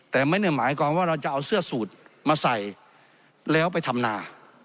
แต่ไม่ได้หมายความว่าเราจะเอาเสื้อสูตรมาใส่แล้วไปทำนา